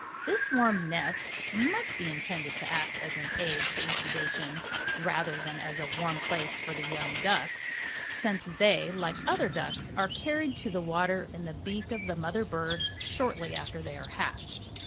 This warm nest must be intended to act as an aid to incubation rather than as a warm place for the young ducks, since they, like other ducks, are carried to the water in the beak of the mother bird shortly after they are hatched.